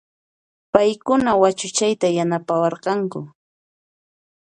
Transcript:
Payquna wachuchayta yanapawarqanku